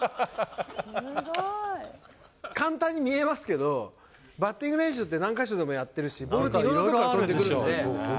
簡単に見えますけど、バッティング練習って、何か所でもやってるし、ボールって、いろんな所から飛んでくるんですよ。